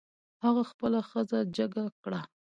هغه خپله ښځه جګه کړه.